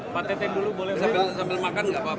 pak tete dulu boleh sambil makan nggak apa apa